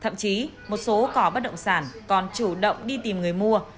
thậm chí một số cò bất động sản còn chủ động đi tìm người mua